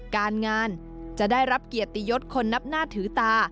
การงานจะได้รับเกียรติยศคนนับหน้าถือตา